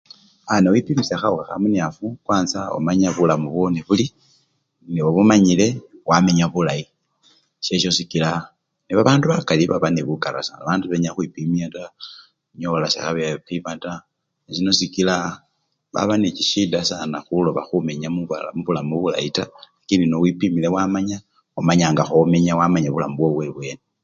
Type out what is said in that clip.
Aaa newipimisha khawukha khamunyafu kwansa omanya bulamu bwowo nebuli nenobumanyile wamenya bulayi eshesho sikila nebabandu bakali baba nebukara sana, bandu sebenya khukhwipimya taa, onyola sekhebepimya taa nesino sikila baba nechishida sana khuloba khumenya muba mubulamu bulayi taa, lakini newipimile wamanya, omanya nga khomenya wamaya bulamu bwowo bwebweni.